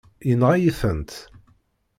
Yenɣa-yi-tent.